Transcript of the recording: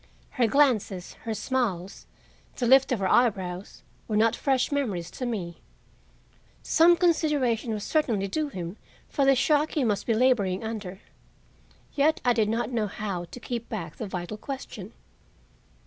Her glances, her smiles, the lift of her eyebrows were not fresh memories to me. Some consideration was certainly due him for the shock he must be laboring under. Yet I did not know how to keep back the vital question.